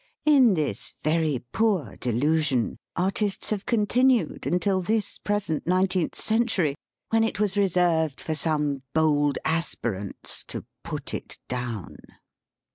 In this very poor delu sion, Artists have continued until this present nineteenth century, when it was reserved for some bold aspirants to " put it down."